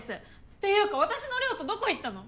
っていうか私の麗雄斗どこ行ったの？